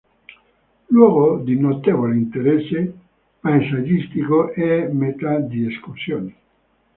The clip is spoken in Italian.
Luogo di notevole interesse paesaggistico è meta di escursioni.